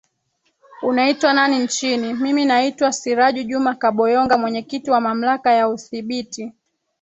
unaitwa nani nchini mimi naitwa siraju juma kaboyonga mwenyekiti wa mamlaka ya uthibiti